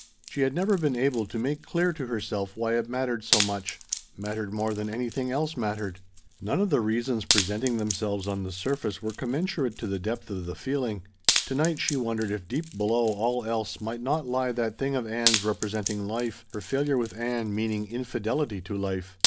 She had never been able to make clear to herself why it mattered so much mattered more than anything else mattered. None of the reasons presenting themselves on the surface were commensurate to the depth of the feeling. To night she wondered if deep below all else might not lie that thing of Ann's representing life, her failure with Ann meaning infidelity to life.